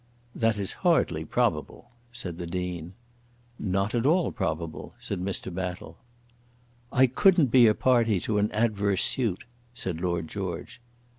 "That is hardly probable," said the Dean. "Not at all probable," said Mr. Battle. "I couldn't be a party to an adverse suit," said Lord George.